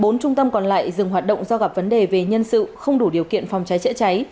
bốn trung tâm còn lại dừng hoạt động do gặp vấn đề về nhân sự không đủ điều kiện phòng cháy chữa cháy